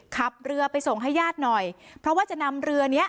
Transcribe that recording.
ขับเรือไปส่งให้ญาติหน่อยเพราะว่าจะนำเรือเนี้ย